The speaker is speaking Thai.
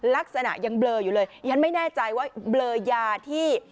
ลักษณะยังเบลออยู่เลยฉันไม่แน่ใจว่าเบลอยาที่